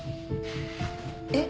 えっ？